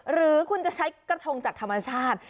หรือคุณจะใช้กระทงจากธรรมชาติ